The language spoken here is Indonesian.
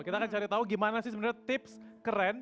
kita akan cari tahu gimana sih sebenarnya tips keren